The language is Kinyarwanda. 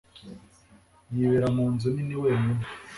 Yibera munzu nini wenyine.